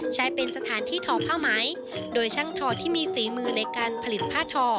ใช้เป็นสถานที่ทอผ้าไหมโดยช่างทอที่มีฝีมือในการผลิตผ้าทอ